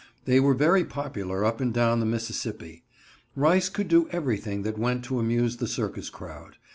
They were very popular up and down the Mississippi. Rice could do everything that went to amuse the circus crowd.